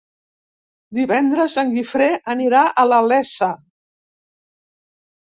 Divendres en Guifré anirà a la Iessa.